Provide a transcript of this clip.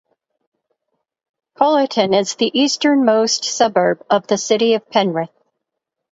Colyton is the easternmost suburb of the City of Penrith.